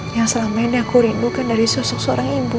yang selama ini aku rindukan dari seseorang ibu